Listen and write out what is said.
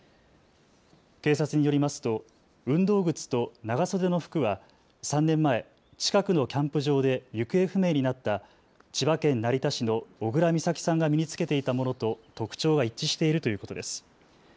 警察によりますと運動靴と長袖の服は３年前、近くのキャンプ場で行方不明になった千葉県成田市の小倉美咲さんが身に着けていたものと特徴が一致しているということです。